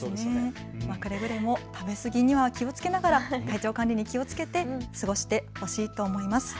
くれぐれも食べすぎには気をつけながら体調管理、気をつけて過ごしてほしいと思います。